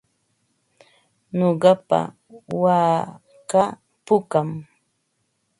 Nuqapa waakaa pukam.